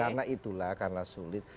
karena itulah karena sulit